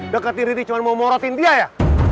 deketin riri cuman mau morotin dia ya